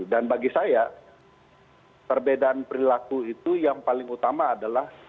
bagi saya perbedaan perilaku itu yang paling utama adalah